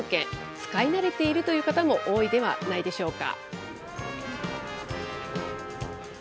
使い慣れているという方も多いではないでしょうか。